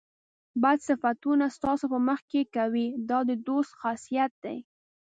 بد صفتونه ستاسو په مخ کې کوي دا د دوست خاصیت دی.